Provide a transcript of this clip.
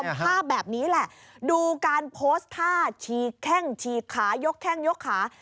เป็นภาพแบบนี้แหละดูการโพสต์ท่าฉีกแข้งฉีกขายกแข้งยกขา